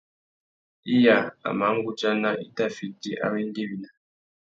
Iya a mà nʼgudzana i tà fiti awéngüéwina.